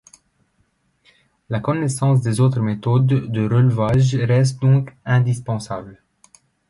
La connaissance des autres méthodes de relevage reste donc indispensable.